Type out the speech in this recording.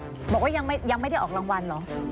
บอกว่ายังไม่ได้ออกรางวัลเหรอ